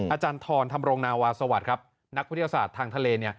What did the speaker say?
อาจารย์ทรธรรมรงนาวาสวัสดิ์ครับนักวิทยาศาสตร์ทางทะเล